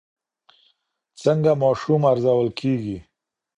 څنګه ماشوم ارزول کېږي؟